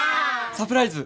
サプライズ。